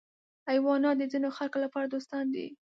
حیوانات د ځینو خلکو لپاره دوستان دي.